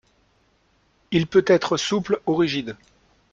Il peut être souple ou rigide.